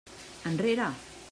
Enrere!